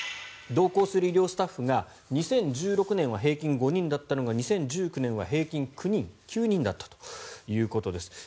同行する医療スタッフが２０１６年は平均５人だったのが２０１９年は平均９人だったということです。